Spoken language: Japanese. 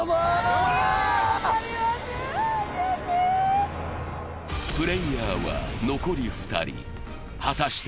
頑張ります悔しいプレイヤーは残り２人果たして